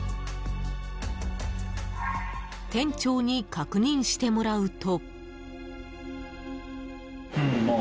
［店長に確認してもらうと］